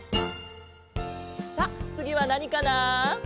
さあつぎはなにかな？